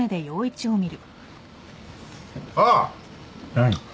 何？